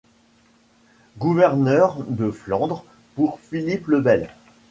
Gouverneur de Flandre pour Philippe le Bel.